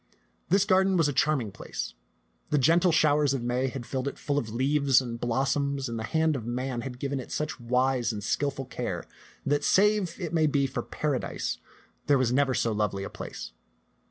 This garden was a charming place. The gentle showers of May had filled it full of leaves and blos soms, and the hand of man had given it such wise and skillful care that save, it may be, for Paradise, there was never so lovely a place.